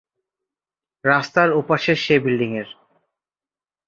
রাস্তার ওপাশের সে বিল্ডিংয়ের।